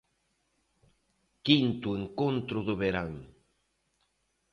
Quinto encontro do verán.